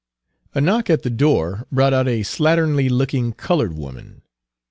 A knock at the door brought out a slatternly looking colored woman.